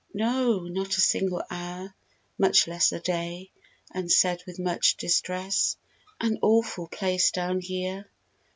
No! Not a single hour much less A day. And, said with much distress: "An awful place down here!"